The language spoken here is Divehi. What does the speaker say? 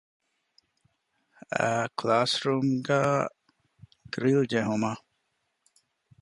އައި ކްލާސްރޫމުގައި ގްރިލް ޖެހުމަށް